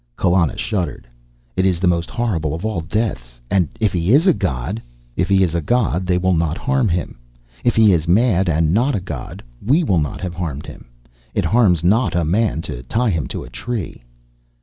Kallana shuddered. "It is the most horrible of all deaths. And if he is a god " "If he is a god, they will not harm him. If he is mad and not a god, we will not have harmed him. It harms not a man to tie him to a tree."